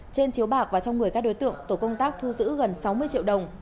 trên chiếu bạc và trong người các đối tượng tổ công tác thu giữ gần sáu mươi triệu đồng